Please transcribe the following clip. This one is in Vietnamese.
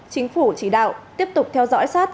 chính phủ chỉ đạo tiếp tục theo dõi sát